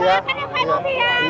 doakan ya pak bobi ya